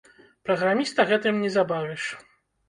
Праграміста гэтым не забавіш.